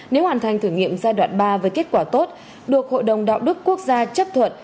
nếu hoàn thành thử nghiệm giai đoạn ba với kết quả tốt được hội đồng đạo đức quốc gia chấp thuận